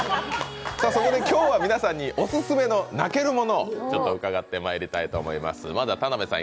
今日は皆さんにオススメの泣けるものを伺ってまいります。